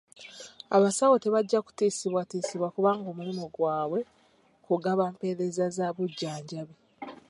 Abasawo tebajja kutiisibwatiisibwa kubanga omulimu gwabwe kugaba mpeereza za bujjanjabi.